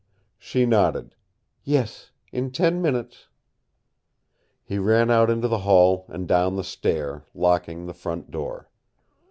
She nodded. "Yes, in ten minutes." He ran out into the hall and down the stair, locking the front door.